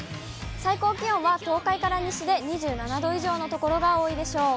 最高気温は東海から西で２７度以上の所が多いでしょう。